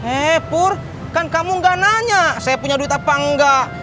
eh pur kan kamu gak nanya saya punya duit apa enggak